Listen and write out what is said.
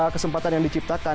kesempatan yang diciptakan